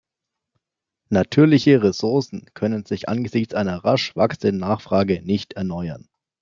Natürliche Ressourcen können sich angesichts einer rasch wachsenden Nachfrage nicht erneuern.